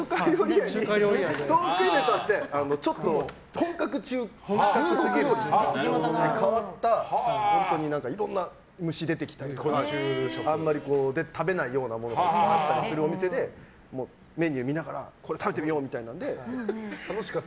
トークイベントが終わってちょっと本格中華で、変わったいろんな虫が出てきたりあまり食べないようなものが出てくるお店でメニューを見ながらこれを食べてみようみたいに。